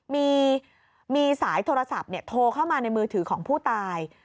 มีสายโทรศัพท์โทรเข้ามาในมือถือของผู้ตาย